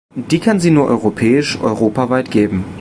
Die kann sie nur europäisch, europaweit geben.